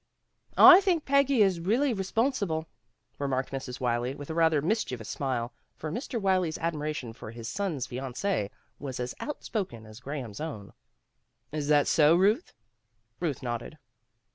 "I think Peggy is really responsible," re marked Mrs. Wylie, with a rather mischievous smile, for Mr. Wylie 's admiration for his son's fiancee was as outspoken as Graham's own. "Is that so, Ruth?" Ruth nodded.